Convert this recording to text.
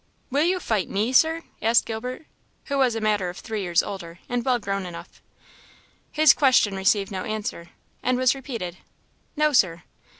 "Will you fight me, Sir?" asked Gilbert, who was a matter of three years older, and well grown enough. His question received no answer, and was repeated. "No, Sir."